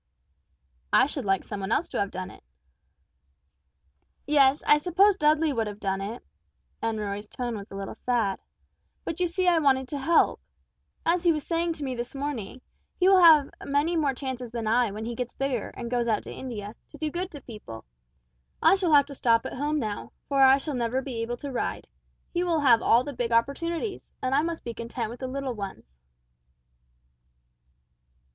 "I should like some one else to have done it." "Yes, I suppose Dudley would have done it," and Roy's tone was a little sad; "but you see I wanted to help. As he was saying to me this morning, he will have many more chances than I when he gets bigger and goes out to India to do good to people. I shall have to stop at home now, for I shall never be able to ride, he will have all the big opportunities, and I must be content with the little ones."